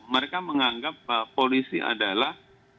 mereka menganggap polisi adalah